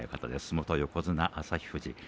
元横綱旭富士。